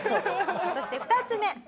そして２つ目。